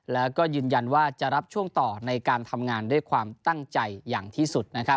แล้วก็ยืนยันว่าจะรับช่วงต่อในการทำงานด้วยความตั้งใจอย่างที่สุดนะครับ